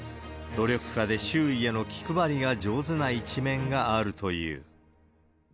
努力家で周囲への気配りが上手な一面があるという。